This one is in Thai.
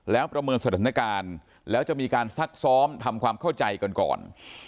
แล้วประเมินสถานการณ์แล้วจะมีการซักซ้อมทำความเข้าใจกันก่อน